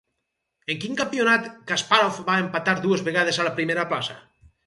En quin campionat Kaspàrov va empatar dues vegades a la primera plaça?